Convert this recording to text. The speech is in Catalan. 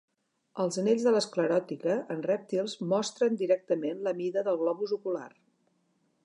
Els anells de la escleròtica en rèptils mostren directament la mida del globus ocular.